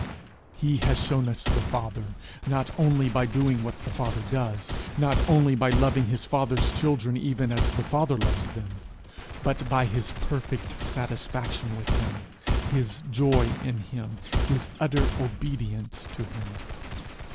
He has shown us the Father not only by doing what the Father does, not only by loving his Father's children even as the Father loves them, but by his perfect satisfaction with him, his joy in him, his utter obedience to him.